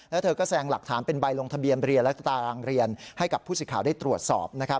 แล้วเธอก็แซงหลักฐานเป็นใบลงทะเบียนเรียนและสตารางเรียนให้กับผู้สิทธิ์ได้ตรวจสอบ